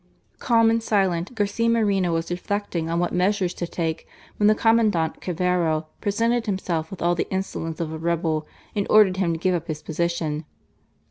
Calm and silent, Garcia Moreno was reflecting on what measures to take, when the Commandant Cavero presented himself with all the insolence of a rebel and ordered him to give up his position.